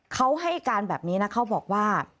เขาให้การแบบนี้นะเขาบอกว่า